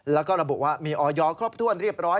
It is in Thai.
แล้วก็ระบุว่ามีออยครบถ้วนเรียบร้อย